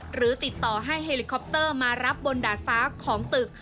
หรือติดต่อให้เฮลิคอปเตอร์มารับบนดาดฟ้าของตึก